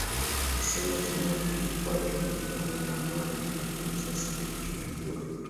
Alisema zamani tulikwa hatujui thamani ya mwani lakini sasa hivi tunajua